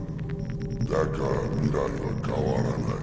だから未来は変わらない。